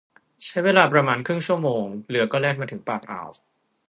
ใช้เวลาประมาณครึ่งชั่วโมงเรือก็แล่นมาถึงปากอ่าว